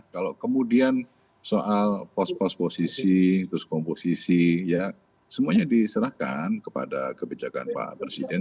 kalau kemudian soal pos pos posisi terus komposisi ya semuanya diserahkan kepada kebijakan pak presiden